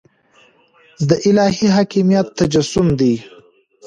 د الهي حاکمیت تجسم دی.